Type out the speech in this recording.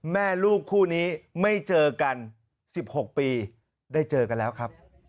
แม่ลูกคู่นี้ไม่เจอกัน๑๖ปีได้เจอกันแล้วครับ